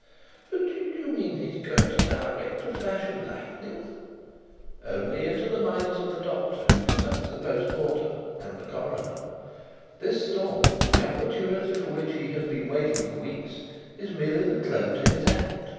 "But do you mean that he is going to direct a flash of lightning?" "Only into the minds of the doctor who conducts the post mortem, and the coroner. This storm, the opportunity for which he has been waiting for weeks, is merely the cloak to his act.